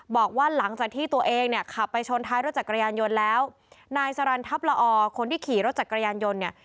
บอกว่าหลังจากที่ตัวเองเนี่ยขับไปชนท้ายรถจักรยานยนต์แล้วนายสรรทัพละอคนที่ขี่รถจักรยานยนต์เนี่ย